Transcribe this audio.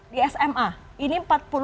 di sma ini empat puluh lima